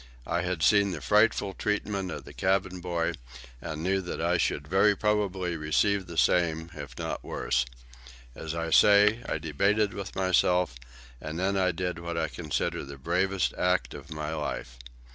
I had seen the frightful treatment of the cabin boy, and knew that I should very probably receive the same, if not worse. As I say, I debated with myself, and then I did what I consider the bravest act of my life.